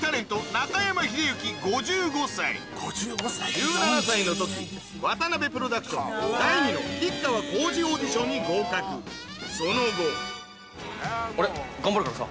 １７歳の時渡辺プロダクション第２の吉川晃司オーディションに合格その後俺頑張るからさ。